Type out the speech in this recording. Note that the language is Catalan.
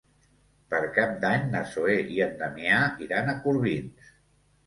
Per Cap d'Any na Zoè i en Damià iran a Corbins.